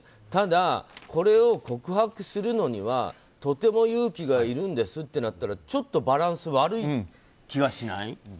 ただ、これを告白するのにはとても勇気がいるんですってなったらちょっとバランス悪い気がしない？